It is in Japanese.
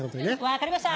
分かりました！